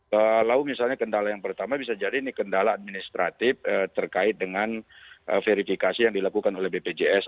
kalau misalnya kendala yang pertama bisa jadi ini kendala administratif terkait dengan verifikasi yang dilakukan oleh bpjs